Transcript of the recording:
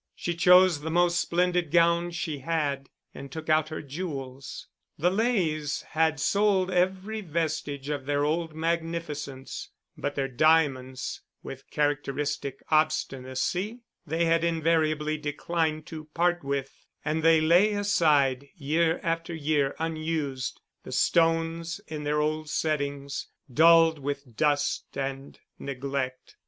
She chose the most splendid gown she had, and took out her jewels. The Leys had sold every vestige of their old magnificence, but their diamonds, with characteristic obstinacy, they had invariably declined to part with; and they lay aside, year after year unused, the stones in their old settings, dulled with dust and neglect.